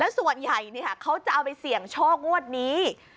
และส่วนใหญ่เนี่ยคะเค้าจะเอาไปเสี่ยงโชคงวดนี้